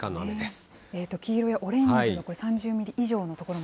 黄色やオレンジの３０ミリ以